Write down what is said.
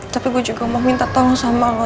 tapi gue juga mau minta tolong sama lo